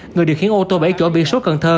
người điều khiển ô tô bảy chỗ biển số cần thơ